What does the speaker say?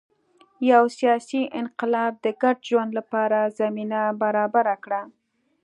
یو سیاسي انقلاب د ګډ ژوند لپاره زمینه برابره کړه.